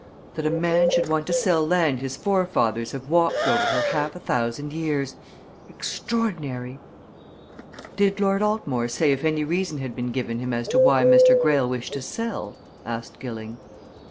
that a man should want to sell land his forefathers have walked over for half a thousand years! Extraordinary!" "Did Lord Altmore say if any reason had been given him as to why Mr. Greyle wished to sell?" asked Gilling.